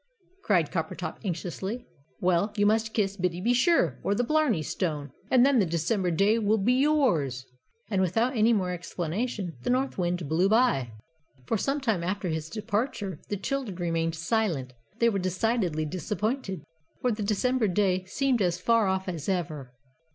cried Coppertop, anxiously. "Well, you must kiss Biddy be sure, or the Blarney Stone, and then the December day will be yours." And, without any more explanation, the North Wind blew by. For some time after his departure the children remained silent; they were decidedly disappointed, for the December day seemed as far off as ever.